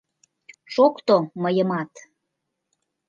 Шокто мыйымат.